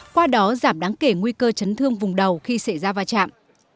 qua đó giảm đáng kể nguy cơ chấn thương vùng đầu khi xảy ra va chạm